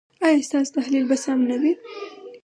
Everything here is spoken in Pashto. ایا ستاسو تحلیل به سم نه وي؟